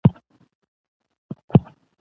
د نورو خبرو ته غوږ نه نیسي.